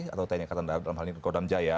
atau tni jakarta dalam hal ini kodam jaya